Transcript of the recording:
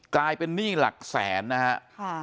กลายเป็นหนี้หลักแสนนะครับ